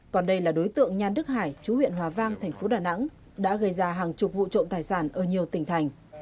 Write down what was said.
còn đây là đối tượng nhan đức hải chú huyện hòa vang thành phố đà nẵng đã gây ra hàng chục vụ trộm tài sản ở nhiều tỉnh thành